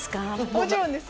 もちろんです。